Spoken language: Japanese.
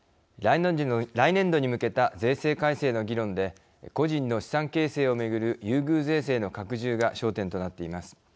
来年度に向けた税制改正の議論で個人の資産形成を巡る優遇税制の拡充が焦点となっています。